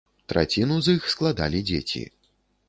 Траціну з іх складалі дзеці.